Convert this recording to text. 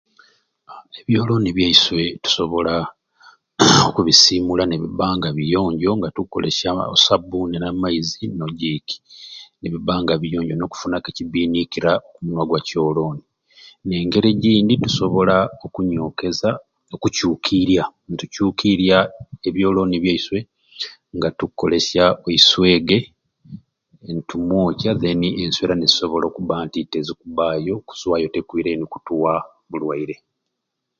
Haa Ebyoloni byesye tusobola okubisimula nebiba nga biyonja nga tukubisimuula nga tukolesya osabuni n'amaizi no giki nebiba nga biyonjo nokufunaku ekibinira oku munwa gwa kyoloni engeri egindi tusobola okunyokeza okukyukirya netukyukiirya ebyoloni byesyei nga tukukolesya oiswege netumwokya then eswera nezisobola okuba nti tezikubaayo kwira eni kutuwa bulwaire